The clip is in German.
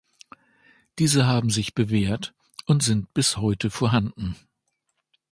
Diese haben sich bewährt und sind bis heute vorhanden.